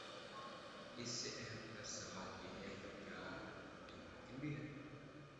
اس سے اہم تر سوال یہ ہے کہ کیا یہ ممکن بھی ہے؟